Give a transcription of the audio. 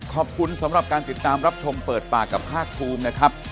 ขอบคุณสำหรับการติดตามรับชมเปิดปากกับภาคภูมินะครับ